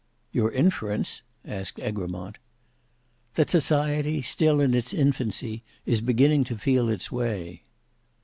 "Your inference?" asked Egremont. "That society, still in its infancy, is beginning to feel its way."